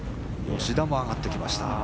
吉田も上がってきました。